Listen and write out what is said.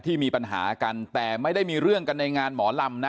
มีปัญหากันแต่ไม่ได้มีเรื่องกันในงานหมอลำนะ